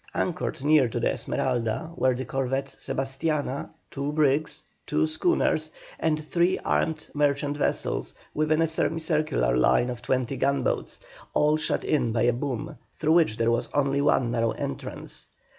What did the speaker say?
Anchored near to the Esmeralda were the corvette Sebastiana, two brigs, two schooners, and three armed merchant vessels, within a semicircular line of twenty gunboats, all shut in by a boom, through which there was only one narrow entrance.